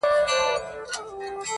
هغه اوس گل كنـدهار مـــاتــه پــرېــږدي